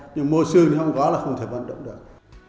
nhưng mô xương nó không có là không thể vận động được